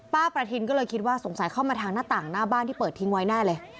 ประทินก็เลยคิดว่าสงสัยเข้ามาทางหน้าต่างหน้าบ้านที่เปิดทิ้งไว้แน่เลย